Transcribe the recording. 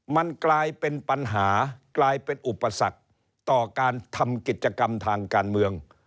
มันกลายเป็นปัญหากลายเป็นอุปสรรคต่อการทำกิจกรรมทางการเมือง